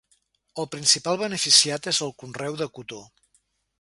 El principal beneficiat és el conreu de cotó.